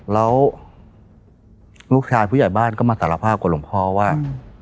แล้วลูกชายผู้ใหญ่บ้านก็มาสารภาพกับหลวงพ่อว่า